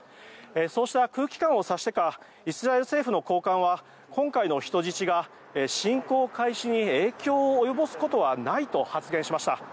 そうした空気感を察してかイスラエル政府の高官は今回の人質が侵攻開始に影響を及ぼすことはないと発言しました。